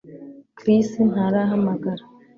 Chris ntarahamagara